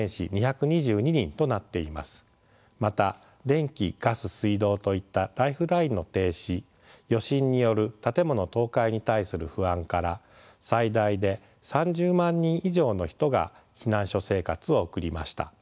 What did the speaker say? また電気ガス水道といったライフラインの停止余震による建物倒壊に対する不安から最大で３０万人以上の人が避難所生活を送りました。